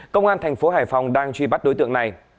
công an thành phố hải phòng đang truy bắt đối tượng này